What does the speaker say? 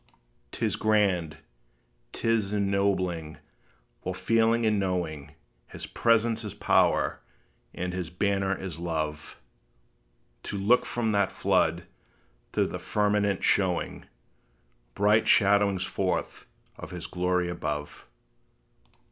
'T is grand, 't is ennobling, while feeling and knowing His presence is power, and his banner is love, To look from that flood, to the firmament showing Bright shadowings forth of his glory above.